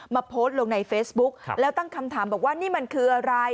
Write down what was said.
โพสต์ลงในเฟซบุ๊กแล้วตั้งคำถามบอกว่านี่มันคืออะไร